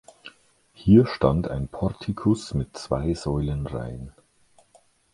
Hier stand ein Portikus mit zwei Säulenreihen.